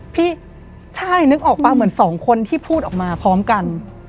พี่ใช่นึกออกป่ะเหมือนสองคนที่พูดออกมาพร้อมกัน